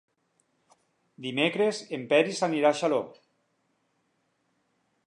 Dimecres en Peris anirà a Xaló.